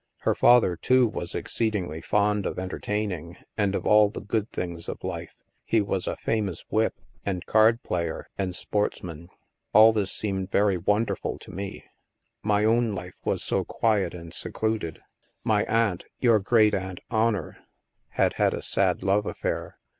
Her father, too, was exceedingly fond of entertaining and of all the good things of life; he was a famous whip, and card player, and sports man. All this seemed very wonderful to me; my own life was so quiet and secluded. My aunt — STILL WATERS 21 your great aunt Honor — had had a sad love affair.